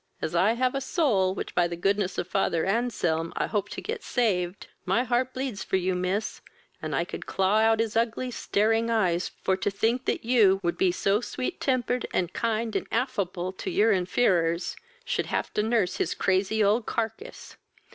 As I have a soul, which, by the goodness of father Anselm, I hope to get saved, my heart bleeds for you, miss, and I could claw out his ugly, staring eyes for to go for to think that you, who be so sweet tempered, and kind, and affabel, to your unfeerors, should have to nurse his crazy old carcase.